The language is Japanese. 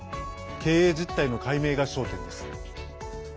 経営実態の解明が焦点です。